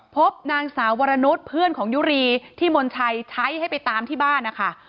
พบนางสาววรนุษย์เพื่อนของยุรีที่มนชัยใช้ให้ไปตามที่บ้านนะคะ